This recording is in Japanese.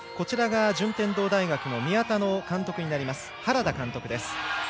順天堂大学の宮田の監督原田監督です。